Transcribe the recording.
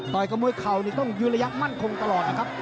กับมวยเข่านี่ต้องยืนระยะมั่นคงตลอดนะครับ